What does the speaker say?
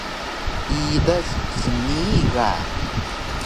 Idas snii ga